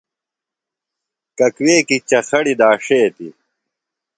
ککویکیۡ چخَڑیۡ داݜیتیۡ۔